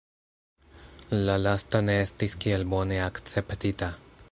La lasta ne estis kiel bone akceptita.